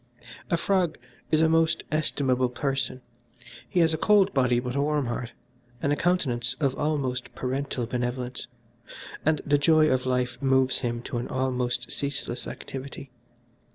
"A frog is a most estimable person. He has a cold body but a warm heart, and a countenance of almost parental benevolence, and the joy of life moves him to an almost ceaseless activity.